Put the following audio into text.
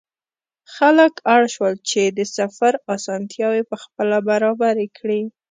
خلک اړ شول چې د سفر اسانتیاوې پخپله برابرې کړي.